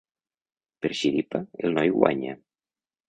Per xiripa, el noi guanya.